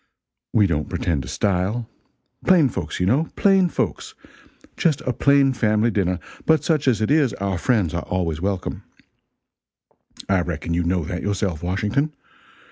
We don't pretend to style. Plain folks, you know plain folks. Just a plain family dinner, but such as it is, our friends are always welcome, I reckon you know that yourself, Washington.